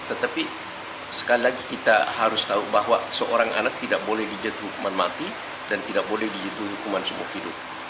tetapi sekali lagi kita harus tahu bahwa seorang anak tidak boleh dijatuh hukuman mati dan tidak boleh dihitung hukuman seumur hidup